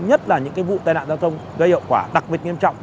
nhất là những cái vụ tai nạn giao thông gây hiệu quả đặc biệt nghiêm trọng